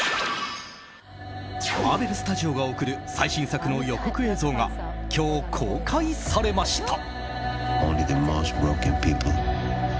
マーベル・スタジオが贈る最新作の予告映像が今日公開されました。